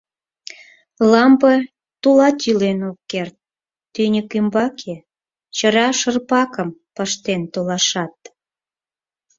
Лампе тулат йӱлен ок керт, тӱньык ӱмбаке чыра шырпакым пыштен толашат.